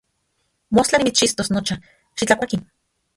Mostla nimitschixtos nocha, xitlakuaki.